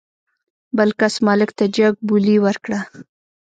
بل کس مالک ته جګ بولي ورکړه.